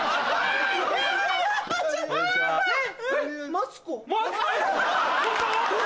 マツコ！